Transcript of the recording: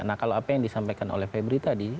nah kalau apa yang disampaikan oleh febri tadi